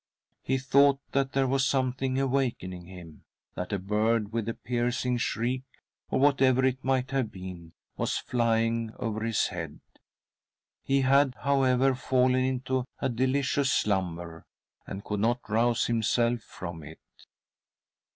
He thought that there was something awakening him; that a bird with a piercing shriek, or whatever it might have been, was flying. over his head. He had, however, fallen into a delicious slumber, and could not rouse himself from it.